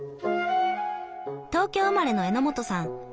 東京生まれの榎本さん。